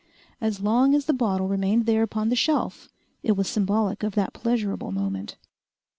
As long as the bottle remained there upon the shelf it was symbolic of that pleasurable moment....